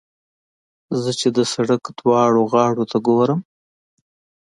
زه چې د سړک دواړو غاړو ته ګورم.